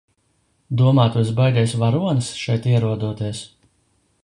Domā tu esi baigais varonis šeit ierodoties?